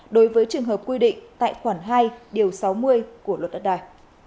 đối với trường hợp quy định tại khoản hai điều sáu mươi của luật đất đài